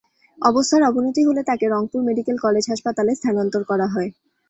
অবস্থার অবনতি হলে তাঁকে রংপুর মেডিকেল কলেজ হাসপাতালে স্থানান্তর করা হয়।